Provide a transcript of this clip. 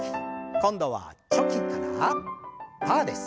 今度はチョキからパーです。